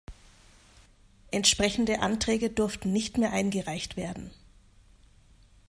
Entsprechende Anträge durften nicht mehr eingereicht werden.